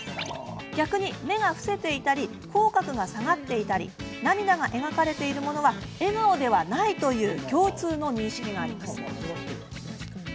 逆に目が伏せていたり口角が下がっていたり涙が描かれているものは笑顔ではないという共通の認識があります。